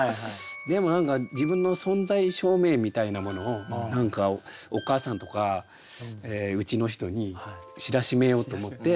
でも何か自分の存在証明みたいなものをお母さんとかうちの人に知らしめようと思って。